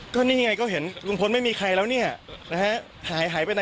ก็นี่ไงก็เห็นลุงพลไม่มีใครแล้วเนี่ยนะฮะ